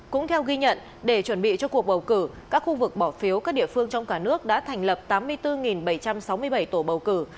cũng theo ghi nhận để chuẩn bị cho cuộc bầu cử các khu vực bỏ phiếu các địa phương trong cả nước đã thành lập tám mươi bốn bảy trăm sáu mươi bảy tổ bầu cử